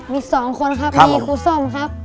มี๒คนครับมีครูส้มครับ